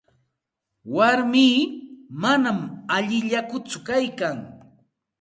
Warmii manam allillakutsu kaykan.